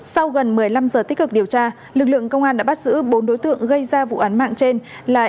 sau gần một mươi năm giờ tích cực điều tra lực lượng công an đã bắt giữ bốn đối tượng gây ra vụ án mạng trên là